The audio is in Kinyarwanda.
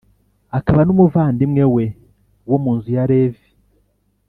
akaba n’umuvandimwe we, wo mu nzu ya Levi.